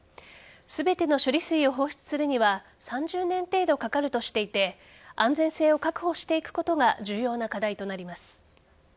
全ての処理水を放出するには３０年程度かかるとしていて安全性を確保していくことが重要な課題となります。